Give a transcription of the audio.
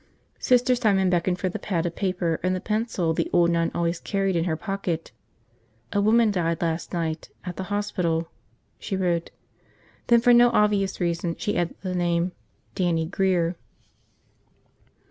Sister Simon beckoned for the pad of paper and the pencil the old nun always carried in her pocket. "A woman died last night. At the hospital," she wrote. Then for no obvious reason, she added the name, "Dannie Grear."